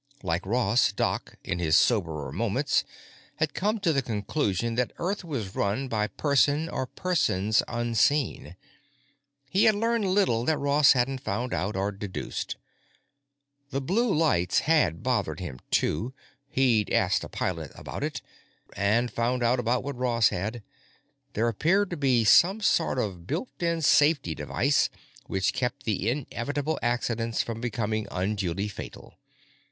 Like Ross, Doc, in his soberer moments, had come to the conclusion that Earth was run by person or persons unseen. He had learned little that Ross hadn't found out or deduced. The blue lights had bothered him, too; he'd asked the pilot about it, and found out about what Ross had—there appeared to be some sort of built in safety device which kept the inevitable accidents from becoming unduly fatal.